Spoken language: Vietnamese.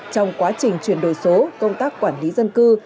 trong quá trình chuyển đổi số công tác quản lý dân cư